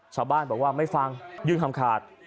ชาวบ้านบอกว่าไม่ฟังยื่นคำขาด